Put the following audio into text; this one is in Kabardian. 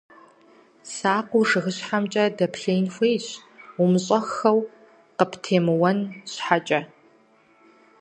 Сакъыу жыгыщхьэмкӀэ дэплъеин хуейщ, умыщӀэххэу къыптемыуэн щхьэкӀэ.